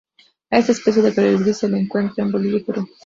A esta especie de colibrí se la encuentra en Bolivia y Perú.